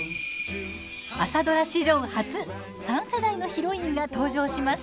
朝ドラ史上初３世代のヒロインが登場します。